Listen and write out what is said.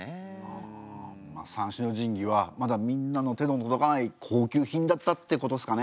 あまあ三種の神器はまだみんなの手の届かない高級品だったってことっすかね。